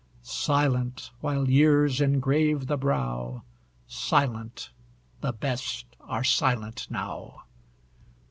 Silent, while years engrave the brow; Silent the best are silent now.